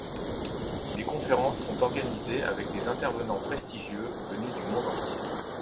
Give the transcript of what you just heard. Des conférences sont organisées avec des intervenants prestigieux venus du monde entier.